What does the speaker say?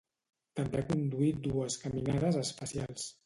També ha conduït dues caminades espacials.